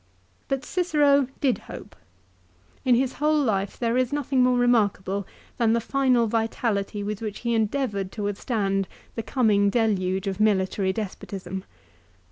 But Cicero did hope. In his whole life there is nothing more remarkable than the final vitality with which he endeavoured to withstand the coming deluge of military despotism.